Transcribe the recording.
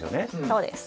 そうです。